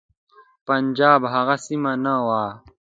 پنجاب هغه سیمه نه وه.